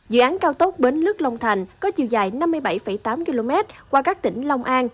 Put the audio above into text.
dự án cao tốc bến lước long thành có chiều dài năm mươi bảy tám km qua các tỉnh long an